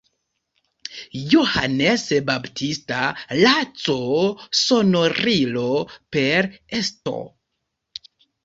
Johannes Baptista“, la c-sonorilo per „St.